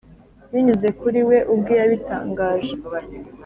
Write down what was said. binyuze kuri we ubwe yabitangaje